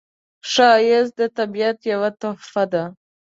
ښایست د طبیعت یوه تحفه ده